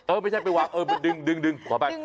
เออไม่ใช่ไปวางเออไปดึงขออภัย